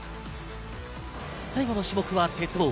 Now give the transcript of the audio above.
最後の種目は鉄棒。